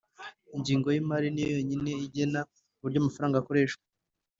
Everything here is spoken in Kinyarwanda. ingingo y’imari niyo yonyine igena uburyo amafaranga akoreshwa